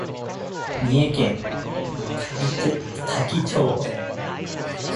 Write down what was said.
三重県多気町